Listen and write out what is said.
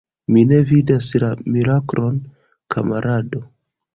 Mi ne vidas la miraklon, kamarado.